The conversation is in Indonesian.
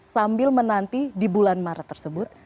sambil menanti di bulan maret tersebut